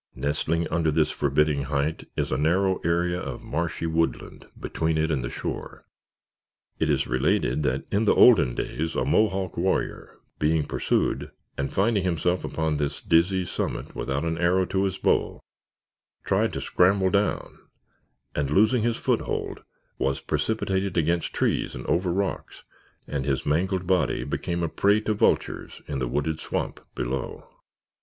Nestling under this forbidding height is a narrow area of marshy woodland between it and the shore. It is related that in the olden days a Mohawk warrior, being pursued and finding himself upon this dizzy summit without an arrow to his bow, tried to scramble down and losing his foothold was precipitated against trees and over rocks and his mangled body became a prey to vultures in the wooded swamp below.